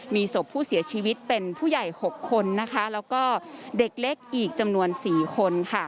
มีศพผู้เสียชีวิตเป็นผู้ใหญ่๖คนแล้วก็เด็กเล็กอีกจำนวน๔คน